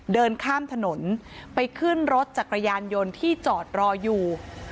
เดินข้ามถนนไปขึ้นรถจักรยานยนต์ที่จอดรออยู่